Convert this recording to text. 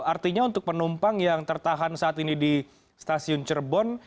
artinya untuk penumpang yang tertahan saat ini di stasiun cerbon